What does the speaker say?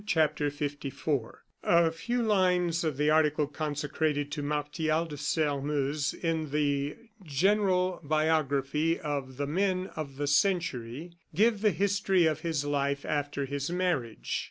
CHAPTER LIV A few lines of the article consecrated to Martial de Sairmeuse in the "General Biography of the Men of the Century," give the history of his life after his marriage.